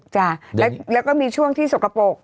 จ้ะแล้วก็มีช่วงที่สกปรก